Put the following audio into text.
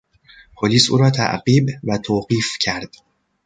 پلیس او را تعقیب و توقیف کرد.